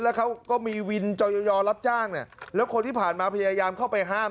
แล้วเขาก็มีวินจอยอรับจ้างเนี่ยแล้วคนที่ผ่านมาพยายามเข้าไปห้าม